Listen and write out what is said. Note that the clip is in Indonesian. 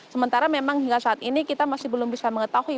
sementara memang hingga saat ini kita masih belum bisa mengetahui